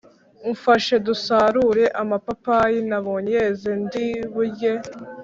umfashe dusarure amapapayi nabonye yeze ndi burye,